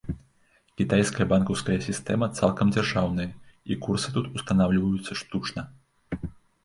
Кітайская банкаўская сістэма цалкам дзяржаўная, і курсы тут устанаўліваюцца штучна.